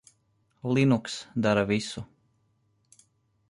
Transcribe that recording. Linux dara visu.